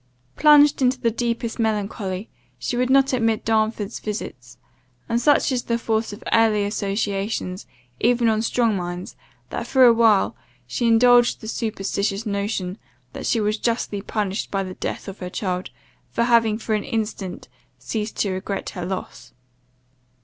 Plunged in the deepest melancholy, she would not admit Darnford's visits; and such is the force of early associations even on strong minds, that, for a while, she indulged the superstitious notion that she was justly punished by the death of her child, for having for an instant ceased to regret her loss.